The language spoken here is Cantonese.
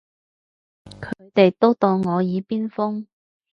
佢哋都當我耳邊風